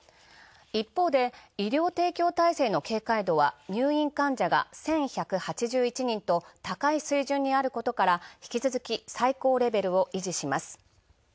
一方で医療提供体制の警戒度は、入院患者が１１８１人と高い水準にあることから、引き続き最高レベルを維持します。